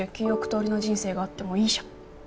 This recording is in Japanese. とおりの人生があってもいいじゃん